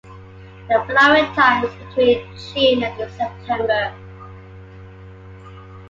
The flowering time is between June and September.